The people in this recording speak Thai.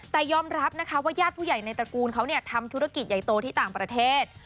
แต่ยอมรับนะคะว่าญาติผู้ใหญ่ในตระกูลเขาทำธุรกิจใหญ่โตที่ต่างประเทศ